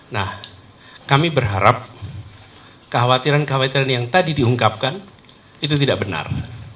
nah kami berharap kekhawatiran kekhawatiran yang tadi diungkapkan itu tidak benar